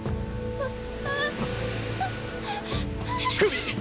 あっ！